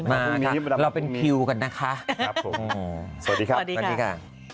มาครับเราเป็นคิวกันนะคะครับผมสวัสดีครับสวัสดีค่ะ